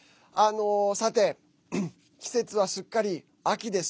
さて、季節はすっかり秋です。